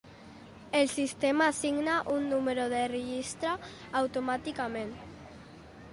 El sistema assigna un número de registre automàticament.